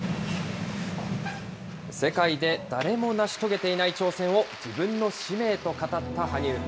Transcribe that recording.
世界で誰も成し遂げていない挑戦を自分の使命と語った羽生。